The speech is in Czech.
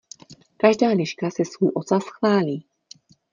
Každá liška si svůj ocas chválí.